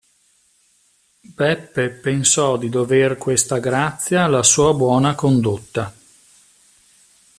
Beppe pensò di dover questa grazia alla sua buona condotta.